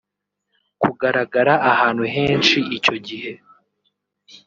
Kugaragara ahantu henshi icyo gihe